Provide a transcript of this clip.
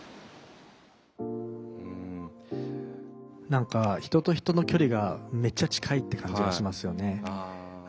何か人と人の距離がめっちゃ近いって感じがしますよね。